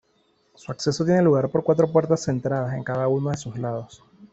Su acceso tiene lugar por cuatro puertas centradas en cada uno de sus lados.